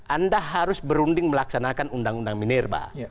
anda harus berunding melaksanakan undang undang minerba